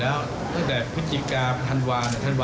และผลเอกพระยุจรรย์โอชานายกรัฐมนตรีฝ่ายความไม่ประมาทค่ะ